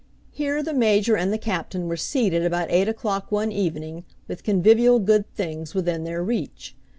Here the Major and the Captain were seated about eight o'clock one evening, with convivial good things within their reach.